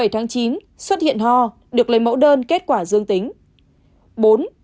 một mươi bảy tháng chín xuất hiện ho được lấy mẫu đơn kết quả dương tính